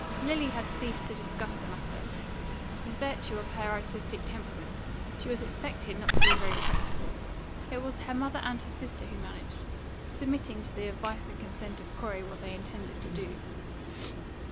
Lily had ceased to discuss the matter. In virtue of her artistic temperament, she was expected not to be very practical. It was her mother and her sister who managed, submitting to the advice and consent of Corey what they intended to do.